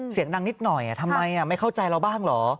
เสียงดังนิดหน่อยทำไมไม่เข้าใจเราบ้างเหรอ